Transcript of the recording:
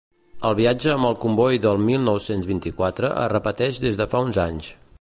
El viatge amb el comboi del mil nou-cents vint-i-quatre es repeteix des de fa uns anys.